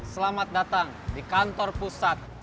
selamat datang di kantor pusat